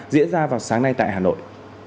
diễn ra vào sáng nay tại hà nội